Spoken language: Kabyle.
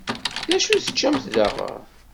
D acu teččamt daɣen?